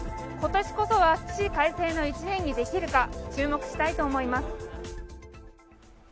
今年こそは起死回生の１年にできるか注目したいと思います。